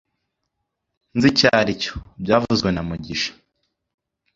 Nzi icyo aricyo byavuzwe na mugisha